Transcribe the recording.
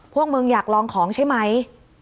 พวกมึงอยากลองของใช่ไหม